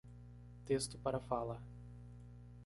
Texto para fala.